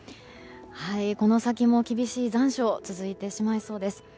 この先も厳しい残暑が続いてしまいそうです。